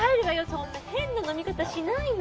そんな変な飲み方しないの。